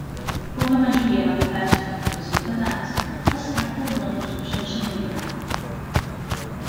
Com la majoria d'habitatges del carrer Ciutadans, es tracta d'una construcció senyorial.